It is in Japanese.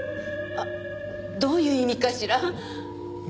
あどういう意味かしら？